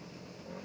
nggak ada pakarnya